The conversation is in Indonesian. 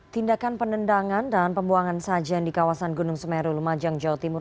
tindakan penendangan dan pembuangan sajen di kawasan gunung semeru lumajang jawa timur